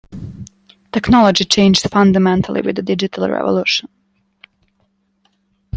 Technology changed fundamentally with the digital revolution.